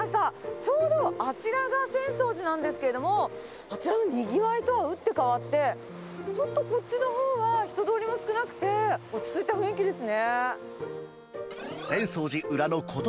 ちょうど、あちらが浅草寺なんですけれども、あちらのにぎわいとは打って変わって、ちょっとこっちのほうは人通りも少なくて、落ち着いた雰囲気ですね。